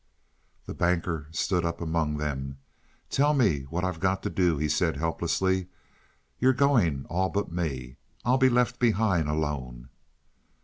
The Banker stood up among them. "Tell me what I've got to do," he said helplessly. "You're going all but me; I'll be left behind alone."